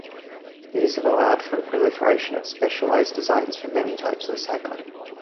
These have allowed for a proliferation of specialized designs for many types of cycling.